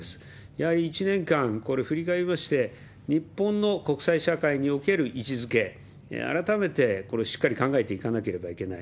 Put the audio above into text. やはり１年間、これ振り返りまして、日本の国際社会における位置づけ、改めてこれをしっかり考えていかなければいけない。